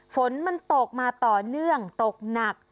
ฝนมันตกมาต่อเนื่องตกหนัก